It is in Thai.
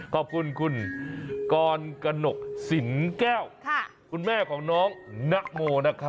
ขอบคุณคุณกรกนกสินแก้วคุณแม่ของน้องนโมนะคะ